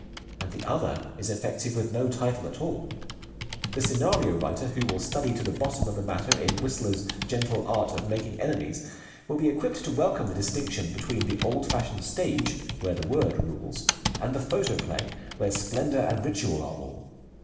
And the other is effective with no title at all. The scenario writer who will study to the bottom of the matter in Whistler's Gentle Art of Making Enemies will be equipped to welcome the distinction between the old fashioned stage, where the word rules, and the photoplay, where splendor and ritual are all.